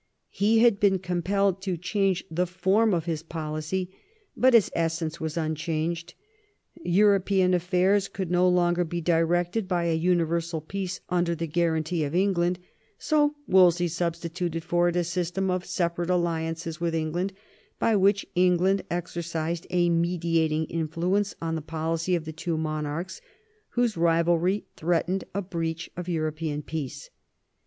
He had been compelled to change the form of his policy, but its essence was unchanged. European affairs could no longer be directed by a universal peace under the guarantee of England; so Wolsey substituted for it a system of separate alliances with England, by which England exercised a mediating influence on the policy of the two monarchs, whose rivalry threatened a breach of European peace.